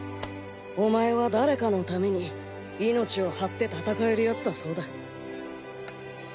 お前は誰かのために命を張って戦えるヤツだそうだ。